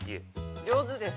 ◆上手です。